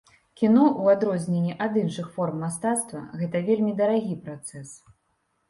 Кіно, у адрозненні ад іншых форм мастацтва, гэта вельмі дарагі працэс.